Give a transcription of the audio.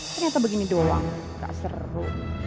ternyata begini doang gak seru